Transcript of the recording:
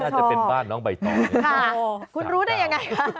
จะเป็นบ้านน้องใบตองค่ะคุณรู้ได้ยังไงคะ